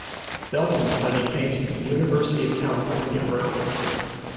Belson studied painting at the University of California, Berkeley.